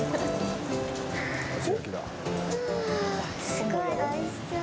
すごい、おいしそう。